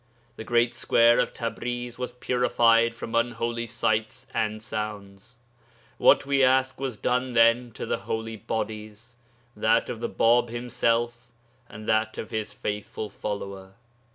The great square of Tabriz was purified from unholy sights and sounds. What, we ask, was done then to the holy bodies that of Bāb himself and that of his faithful follower?